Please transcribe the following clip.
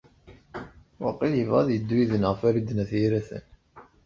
Waqil yebɣa ad yeddu yid-neɣ Farid n At Yiraten.